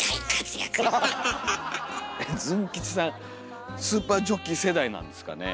ズン吉さん「スーパーＪＯＣＫＥＹ」世代なんですかね。